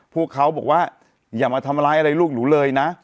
พวกเขาบอกว่าอย่ามาทำร้ายอะไรลูกหนูเลยนะ